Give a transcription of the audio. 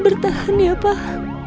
bertahan ya pak